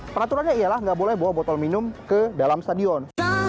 peraturannya ialah nggak boleh bawa botol minum ke dalam stadion